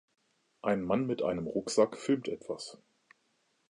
Ein Mann mit einem Rucksack filmt etwas